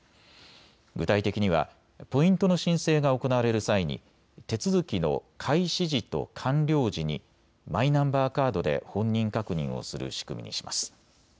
具体的にはポイントの申請が行われる際に手続きの開始時と完了時にマイナンバーカードで本人確認をする仕組みにします。